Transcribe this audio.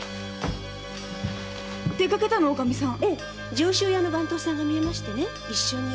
上州屋の番頭さんがみえて一緒に。